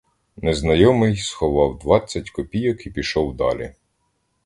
Незнайомий сховав двадцять копійок і пішов далі.